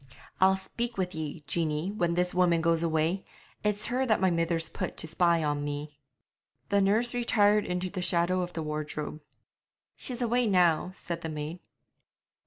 'I'll speak with ye, Jeanie, when this woman goes away; it's her that my mither's put to spy on me.' The nurse retired into the shadow of the wardrobe. 'She's away now,' said the maid.